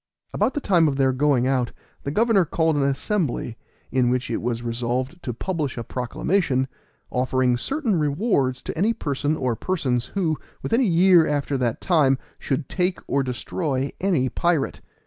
About the time of their going out the governor called an assembly, in which it was resolved to publish a proclamation, offering certain rewards to any person or persons who, within a year after that time, should take or destroy any pirate.